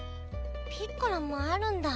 ピッコラもあるんだ。